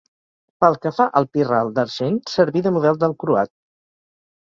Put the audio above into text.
Pel que fa al pirral d'argent serví de model del croat.